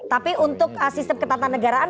tapi untuk sistem ketatanegaraan